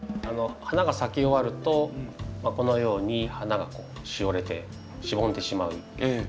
花が咲き終わるとこのように花がしおれてしぼんでしまう。